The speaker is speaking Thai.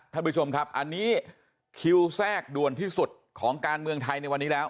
ท่านผู้ชมครับอันนี้คิวแทรกด่วนที่สุดของการเมืองไทยในวันนี้แล้ว